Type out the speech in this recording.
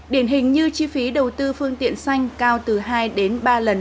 điển hình như chi phí đầu tư phương tiện xanh cao từ hai đến ba lần